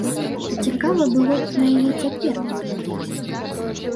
А цікава было б на яе цяпер паглядзець.